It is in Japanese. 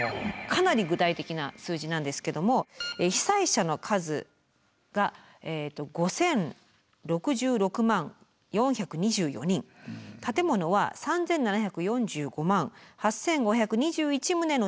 かなり具体的な数字なんですけども被災者の数が５，０６６万４２４人建物は３，７４５万８，５２１棟の被害になるというふうに試算されていると。